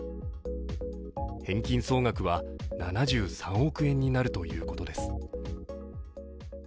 返金総額は７３億円になるということです。